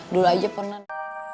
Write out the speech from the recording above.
dulu aja pernah